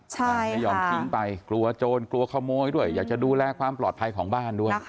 ใช่ไม่ยอมทิ้งไปกลัวโจรกลัวขโมยด้วยอยากจะดูแลความปลอดภัยของบ้านด้วย